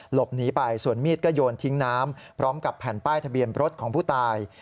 หลบหนีไปส่วนมีดก็โยนทิ้งน้ำพร้อมกับแผ่นป้ายทะเบียนรถของผู้ตาย